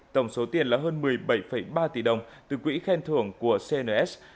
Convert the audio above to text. tổng số tiền là hơn một mươi bảy ba tỷ đồng từ quỹ khen thưởng của cns